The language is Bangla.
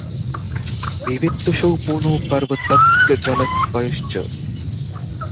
বিভেত্যসৌ পুন পার্বত্যাৎ জলাৎ বায়োশ্চ।